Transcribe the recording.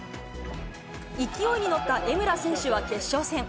勢いに乗った江村選手は決勝戦。